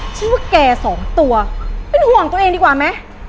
ชื่อว่าแกสองตัวเป็นห่วงตัวเองดีกว่าไหม